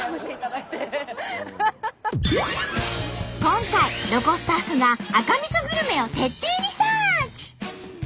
今回ロコスタッフが赤みそグルメを徹底リサーチ！